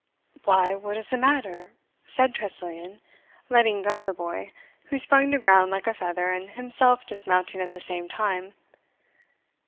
"Why, what is the matter?" said Tressilian, letting go the boy, who sprung to ground like a feather, and himself dismounting at the same time.